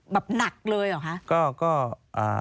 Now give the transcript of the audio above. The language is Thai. แบบหนักเลยเหรอคะ